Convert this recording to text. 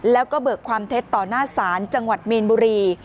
แล้วก็เบิกความเท็จต่อหน้าศาลจังหวัดมีนบุรี